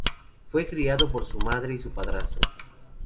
Fue criado por su madre y su padrastro.